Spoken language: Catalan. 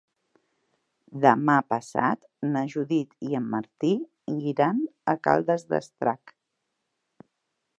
Demà passat na Judit i en Martí iran a Caldes d'Estrac.